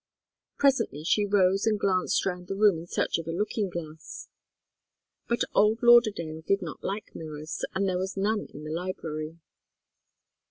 Presently she rose and glanced round the room in search of a looking glass. But old Lauderdale did not like mirrors, and there was none in the library.